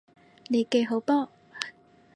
利記好波！